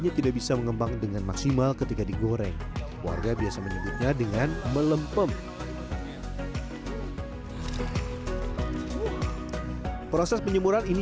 yang ditahan lama dan dapat disimpan hingga satu tahun